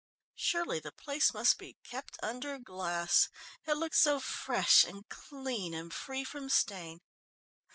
Surely the place must be kept under glass. It looked so fresh and clean and free from stain.